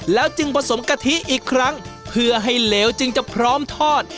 แล้วจึงผสมกะทิอีกครั้งเพื่อให้เหลวจึงจะพร้อมทอด